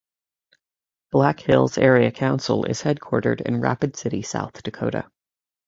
Black Hills Area Council is headquartered in Rapid City, South Dakota.